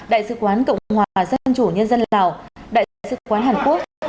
đại sứ quán cộng hòa dân chủ nhân dân lào đại sứ quán hàn quốc